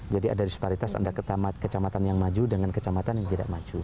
jadi ada disparitas ada kecamatan yang maju dengan kecamatan yang tidak maju